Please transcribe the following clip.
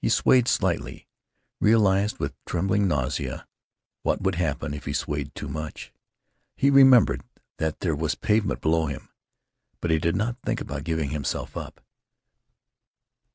He swayed slightly; realized with trembling nausea what would happen if he swayed too much.... He remembered that there was pavement below him. But he did not think about giving himself up.